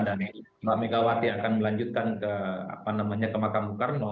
dan megawati akan melanjutkan ke makam bukarno